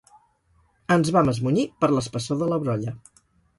Ens vam esmunyir per l'espessor de la brolla.